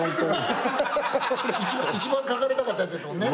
一番描かれたかったやつですもんね。